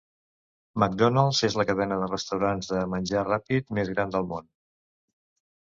McDonald's és la cadena de restaurants de menjar ràpid més gran del món.